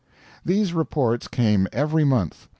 These reports came every month.